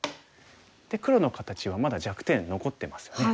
黒の形はまだ弱点残ってますよね。